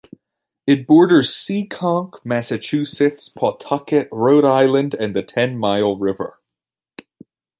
It borders Seekonk, Massachusetts, Pawtucket, Rhode Island and the Ten Mile River.